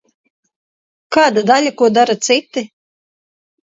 Kāda daļa ko dara citi.